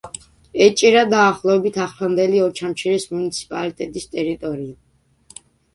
ეჭირა დაახლოებით ახლანდელი ოჩამჩირის მუნიციპალიტეტის ტერიტორია.